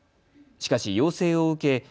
しかし要請を受け